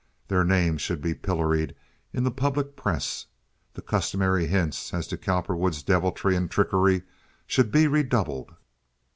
Their names should be pilloried in the public press. The customary hints as to Cowperwood's deviltry and trickery should be redoubled.